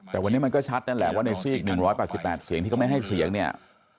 แต่วันนี้มันก็ชัดนั่นแหละว่าในซีก๑๘๘เสียงที่เขาไม่ให้เสียงเนี่ย